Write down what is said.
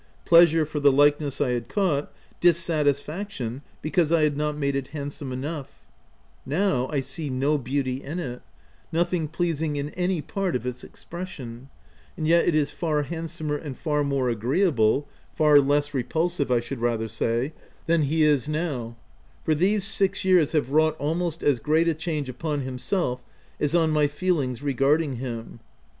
— pleasure for the likeness I had c aught; dissatisfaction, because 1 had not made OF WILDFELL, HALL. 125 it handsome enough, Now, I see no beauty in it— nothing pleasing in any part of its ex pression ; and yet it is far handsomer and far more agreeable — far less repulsive I should rather say — than he is now ; for these six years have wrought almost as great a change upon himself as on my feelings regarding him.